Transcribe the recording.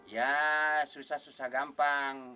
ya susah susah gampang